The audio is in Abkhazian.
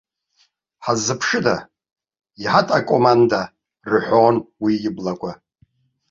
Ҳаззыԥшыда, иҳаҭ акоманда, рҳәон уи иблақәа.